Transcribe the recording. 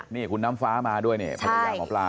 นี่คุณน้ำฟ้ามาด้วยเนี่ย